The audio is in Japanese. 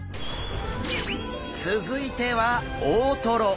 続いては大トロ。